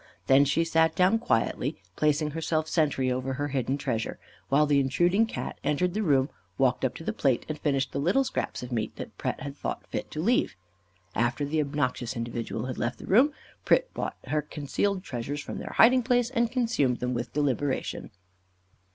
She then sat down quietly, placing herself sentry over her hidden treasure, while the intruding Cat entered the room, walked up to the plate, and finished the little scraps of meat that Pret had thought fit to leave. After the obnoxious individual had left the room, Pret brought her concealed treasures from their hiding place and consumed them with deliberation.